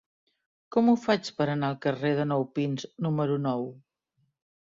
Com ho faig per anar al carrer de Nou Pins número nou?